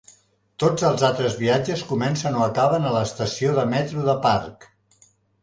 Tots els altres viatges comencen o acaben a l'estació de metro de Parc.